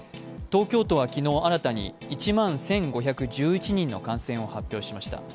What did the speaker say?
東京都は昨日新たに１万１５１１人の感染を発表しました。